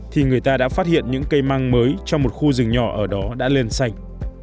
thì người ta đã phát hiện những cây măng mới trong một khu rừng nhỏ ở đó đã lên xanh